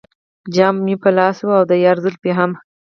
جام به مې په لاس وي او د یار زلفې هم.